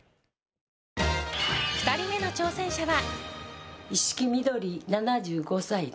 ２人目の挑戦者は。